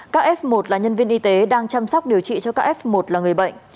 các f một là nhân viên y tế đang chăm sóc điều trị cho các f một là người bệnh